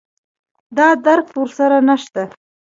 دا درک ور سره نشته